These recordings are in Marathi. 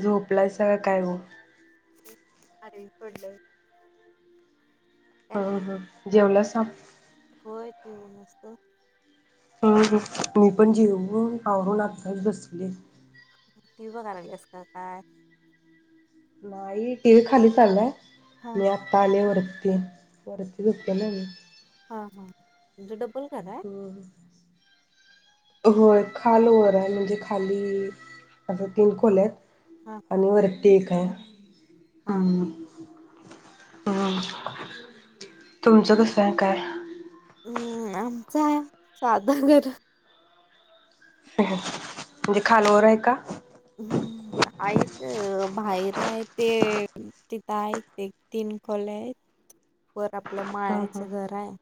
झोपलायचा का काय हो. [unintelligible] हम्म करताय? हम्म जेवलासा. होय [inaudible] मी पण जेवुण आवडरुन आताच बसले. तीव्ही बघाल्यास का काय? नाही टी व्ही खाली चाललाय. हा मी आता अले वरती [unintelligible] हा हा घर हाय? हो. होय खाल वर आहे म्हणजे खाली अस तीन खोले आहेत, हा हा आणि वरती एक आहे. हा! हम्म हा. हम्म तुमचं कसं आहे काय? हम्म आमचा साधाच घर आहे. म्हणजे खालोवर आहे का? हम्म, आई बाहेर ये ते तिथं आहेत ते तीन खोल्या आहेत वर हम्म हम्म माळ्याचं घर आहे.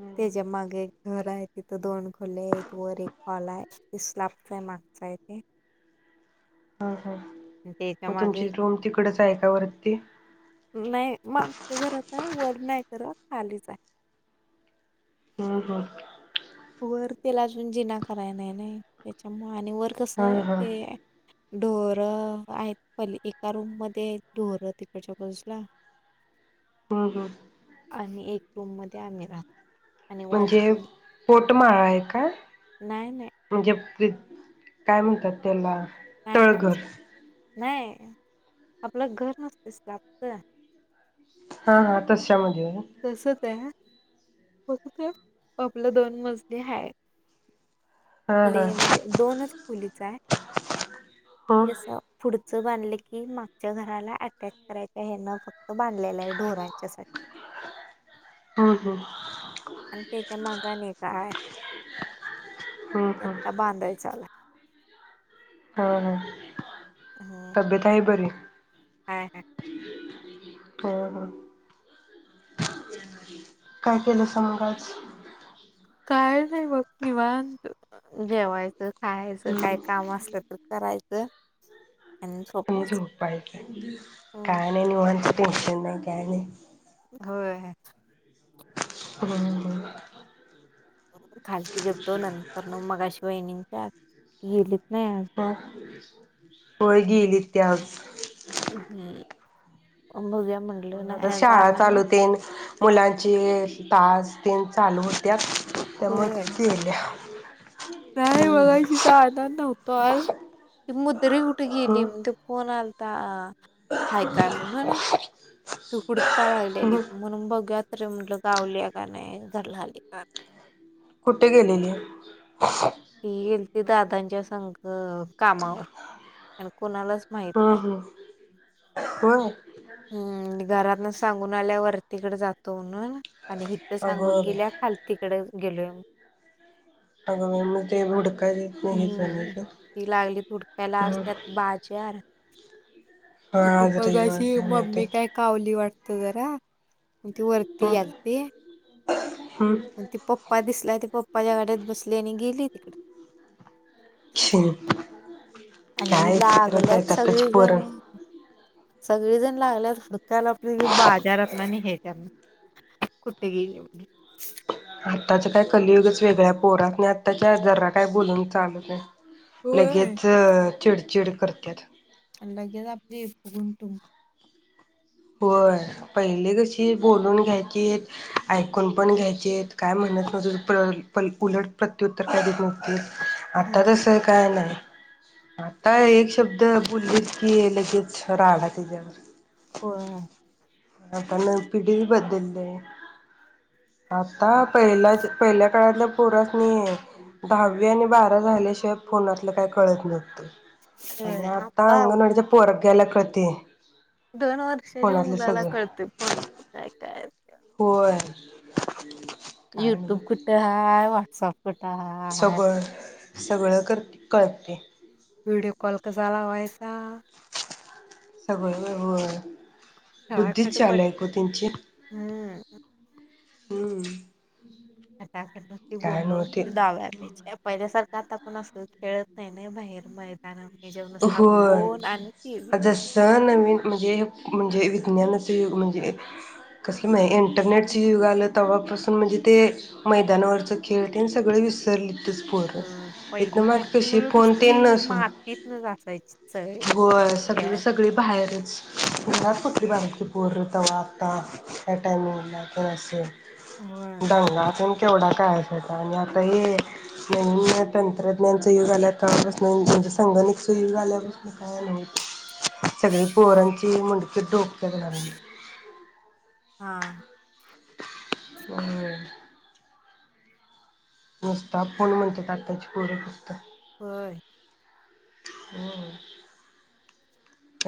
हम्म त्याच्या माग एक घर आहे. तिथं दोन खोल्या आहेत. वर एक हॉल आहे. ते स्लापचा आहे. मागचा आहे ते. हम्म हम्म त्याच्या मग तुमची मागे. रूम तिकडच आहे का वरती? नाही, मागच्या घरात आहे वर. नाही का रूम खालीच आहे. हम्म हम्म. वर त्याला अजून जिना कराय नाही. नाही त्याच्यामुळ आणि वर हा कसं हा ते हम्म ये ढोर आहेत. पण एका रूम मध्ये ढोर तिकडच्या बाजूला. हम्म हम्म. आणि एक रूम मध्ये आम्ही राहतो. आणि वरती तो माळा आहे का? नाही नाही. फ्रि, काय म्हणतात त्याला? नाय नाय तळघर नाय आपलं घर नसतेस का स्तापतय हा हा तशाम तसतय हा. [unintelligible] आपलं दोन मजली हाय. हा ले हा म्हणजे दोनच खोलीचा आहे. हो [unintelligible] अस पुढ च बांधले की मागच्या घराला अटॅच करायच्या हे न फक्त बांधलेलं आहे ढोरांच्या साठी. हम्म हम्म. आणि ते त्या क मगा नी काय हम्म हम्म आता बांधायचाला अ ह. तब्येत आहे बरी हाये हाय. [unintelligible] हो हो. काय केलंस मंग आज काय नाही बघ निवांत जेवायचं त खायचं, काय हम्म काम असलं तर करायचं. त आणि झोपायचं हम्म काय नई निवांत. टशन ना कहणे [unintelligible] होय. पु [unintelligible] खालती गेल तो ना मगाशी वाहिनींच्या येल [unintelligible] हो होय गेली. इ तिहज [unintelligible] हम्म. अम बघूया म्हटलं आता नाही शाळा जाणार चालूतेन मुलांची अ तास तेन चालू होत्यात. त्या होय. मतीला [unintelligible] ह [unintelligible] नाही बघाशीिचा आध नव्हतो आज ती मुद्री कुठे ह गेली म्हण तेे फोन आल. ता हाय काय म्हणून ना तू हुडका लागलेली म्हणून बघ्यात. तरीलं [unintelligible] गावली का नाही घरला आली का कुठे गेलेले? ती गेलती दादांच्या संग. कामावर. ह [unintelligible] ह ह होय. हम्म घरात सांगून आल्या वरतीकडे जातो म्हणून. आणि हिथ सांगून अगं बाई गेल्या खाल तिकड गेलोय. अग बाई मग ते [unintelligible] नाही हेच हम्म, म्हणायचं ती लागली तुडक्याला, आज हम्म त्यात बाजार, हा त आज बघा रविवार अशी काय मिळतंय मम्मी काय कावली वाटत. तुगरा म त वरती हम्म याल ती. हम्म मग त पप्पा दिसलाय ते पप्पाच्या गाडीत बसली आणि गेली. तिकड शन- आणि लागल्यात सगळे जन पोरं सगळीजण लागल्यात काल आपली बाजारात ना, आणि हे. कुट गेली आत्ताचं काय कलयुगच वेगळं हाय पोरास्नी आत्ताच्या जरा काय बोलून चालत नाय. होय लगेच चिडचिड करत्यात. [unintelligible] होय पहिले कशी बोलून घ्यायचीत, ऐकून पण घ्यायचेत, काय म्हणत नव्हत उलट प्रत्युत्तर काय देत नव्हती. आत्ता होय. तस काय नाय. आता एक शब्द बोलले की लगेच राडा त्याच्यावर होय आपण पिढी बदलली. आता पहिल्या पहिल्या काळाल्या पोरास्नी दहावी आणि बारावी झाल्याशिवाय फोनातलं काही कळत नव्हतं. आणि आता अंगणवाडीच्या पोरा [unintelligible] दोन वर्षाच्या मुलाला कळतंय फोनं कुठाय काय हेत. होय. काय युट्यूब नव्ह कुठ हाय वा [unintelligible] सगळं सगळं करते कळते. व्हिडिओ कॉल कसा लावाय असा सगळ वेगवेगळ बुद्धी खळाखट बट चलाक ओ त्यांची हम्म हम्म खटाखटती काय बोटो नव्हते रस्ते दाव्या्या पहिल्या सारखं आता आपण असं खेळत नाही ना बाहेर मैदानावर होय, आता सण आणि म्हणजे म्हणजे विज्ञानाचं युग म्हणजे, कसलं मा इंटरनेटचं युग आलं तेव्हापासून म्हणजे ते मैदानावरचं खेळ ते सगळं विसरलीताच. अं पहिली बारकी मुलं नुसती तेन नसू मातीतनं जात सईच होय, सग सगळी बाहेरच घरात कुठली बार पोरं तवा आता या टायमिंगला तेन असं होय. दंगा तेन की तेवढा काय असायचा आणि आता हे नवीन तंत्रज्ञानचं युग आलं तवापासून म्हणजे संगणकचं युग आल्यापासून काय नाहीच. सगळे पोरांची ती मुंडकी डोकं [unintelligible] हा हम्म नुसता फोन म्हणत्यात आताची पोर नुसत होय हम